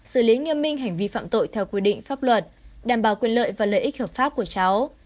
xử lý nghiêm minh hành vi phạm tội theo quy định pháp luật đảm bảo quyền lợi và lợi ích hợp pháp của cháu